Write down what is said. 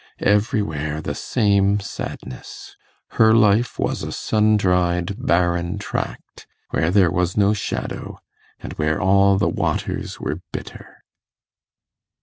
Everywhere the same sadness! Her life was a sun dried, barren tract, where there was no shadow, and where all the waters were bitter.